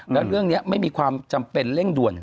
แล้วเรื่องนี้ไม่มีความจำเป็นเร่งด่วน